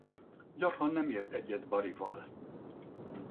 Gyakran nem ért egyet Barival.